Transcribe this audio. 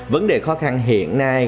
vấn đề khó khăn hiện nay